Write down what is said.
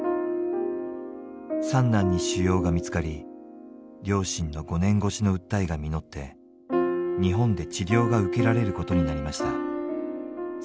三男に腫瘍が見つかり両親の５年越しの訴えが実って日本で治療が受けられることになりました。